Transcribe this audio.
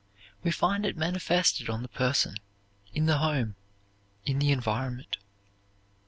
We find it manifested on the person, in the home, in the environment.